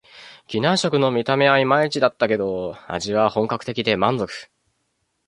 機内食の見た目はいまいちだったけど、味は本格的で満足